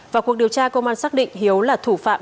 vào cuộc điều tra công an xác định hiếu là thủ phạm